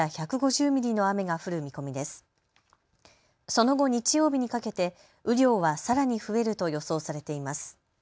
その後、日曜日にかけて雨量はさらに増えると予想されています。